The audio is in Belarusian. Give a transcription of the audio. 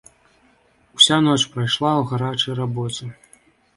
Уся ноч прайшла ў гарачай рабоце.